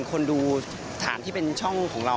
คนดูฐานที่เป็นช่องของเรา